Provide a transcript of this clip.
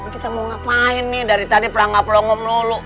kita mau ngapain nih dari tadi pelangga pelangga melulu